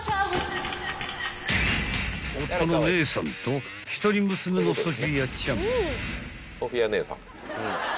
［夫のネーサンと一人娘のソフィアちゃん］